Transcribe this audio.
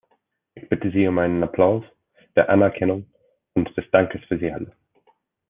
Ich bitte Sie um einen Applaus der Anerkennung und des Dankes für sie alle.